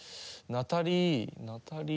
ナタリーナタリー。